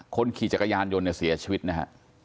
คนขี่จักรยานยนต์เสียชีวิตนะครับ